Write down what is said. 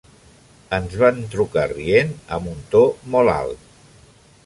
Ens van trucar rient amb un to molt alt.